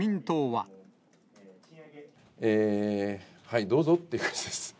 はい、どうぞって感じです。